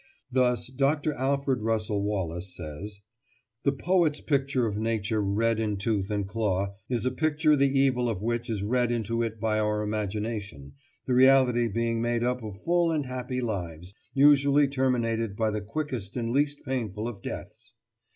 Thus, Dr. Alfred Russel Wallace says: "The poet's picture of nature red in tooth and claw, is a picture the evil of which is read into it by our imagination, the reality being made up of full and happy lives, usually terminated by the quickest and least painful of deaths."